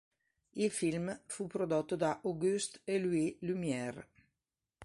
Il film fu prodotto da Auguste e Louis Lumière.